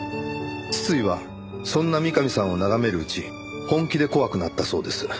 筒井はそんな三上さんを眺めるうち本気で怖くなったそうです。